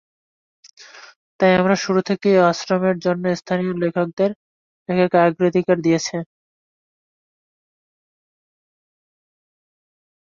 তাই আমরা শুরু থেকেই আশ্রমের জন্যে স্থানীয় লেখকদের লেখাকে অগ্রাধিকার দিয়েছি।